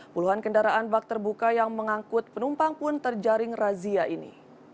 puluhan kendaraan bak terbuka yang mengangkut penumpang pun terjaring razia ini